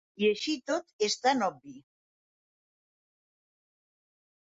I així i tot és tan obvi.